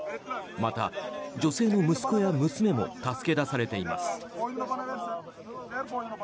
また、女性の息子や娘も助け出されています。